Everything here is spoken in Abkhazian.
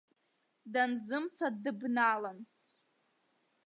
Данзымца дыбналан.